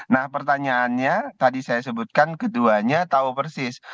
nah pertanyaannya tadi saya sebutkan keduanya tahu persis